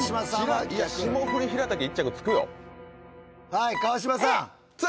はい川島さん！